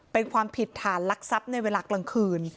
เป็นความผิดฐานลักทรัพย์ในเวลากลางคืน